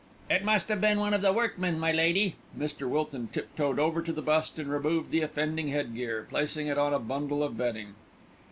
"It must have been one of the workmen, my lady." Mr. Wilton tiptoed over to the bust and removed the offending headgear, placing it on a bundle of bedding.